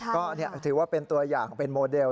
ก็ถือว่าเป็นตัวอย่างเป็นโมเดล